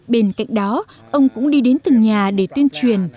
bên cạnh đó ông cũng đi đến từng nhà để tuyên truyền